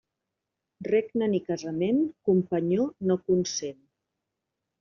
Regne ni casament, companyó no consent.